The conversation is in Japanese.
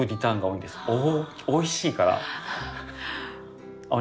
おいしいから。